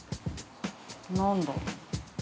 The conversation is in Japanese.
◆何だろう。